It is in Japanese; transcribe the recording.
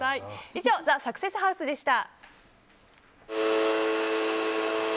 以上ＴＨＥサクセスハウスでした。